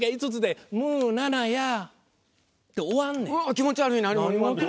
気持ち悪い！